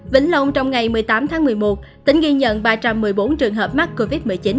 vĩnh long trong ngày một mươi tám tháng một mươi một tỉnh ghi nhận ba trăm một mươi bốn trường hợp mắc covid một mươi chín